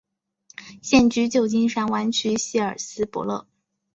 现居旧金山湾区希尔斯伯勒。